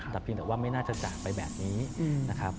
แต่เพียงแต่ว่าไม่น่าจะจากไปแบบนี้นะครับ